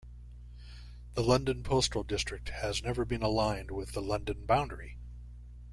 The London postal district has never been aligned with the London boundary.